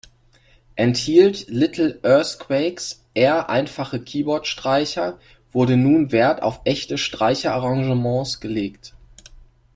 Enthielt "Little Earthquakes" eher einfache Keyboard-Streicher, wurde nun Wert auf echte Streicher-Arrangements gelegt.